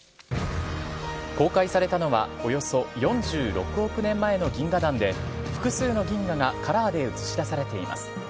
公開されたのは、およそ４６億年前の銀河団で、複数の銀河がカラーで映し出されています。